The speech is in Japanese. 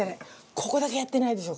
ここだけやってないでしょ？